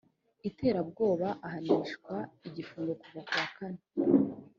iterabwoba ahanishwa igifungo kuva ku wa kane